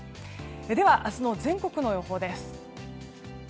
では、明日の全国の予報です。